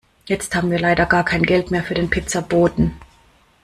Jetzt haben wir leider gar kein Geld mehr für den Pizzaboten.